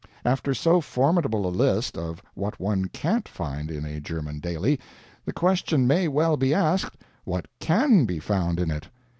After so formidable a list of what one can't find in a German daily, the question may well be asked, What CAN be found in it?